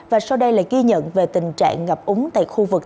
và sau đây là ghi nhận về tình trạng ngập úng tại khu vực